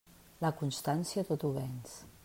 La constància tot ho venç.